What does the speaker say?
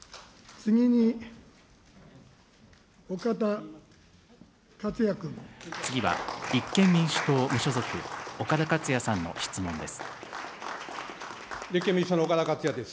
次に、次は、立憲民主党・無所属、岡田克也さんの質問です。